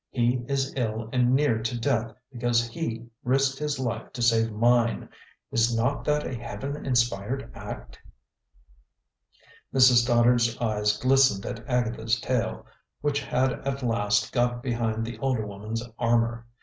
He is ill and near to death, because he risked his life to save mine. Is not that a heaven inspired act?" Mrs. Stoddard's eyes glistened at Agatha's tale, which had at last got behind the older woman's armor.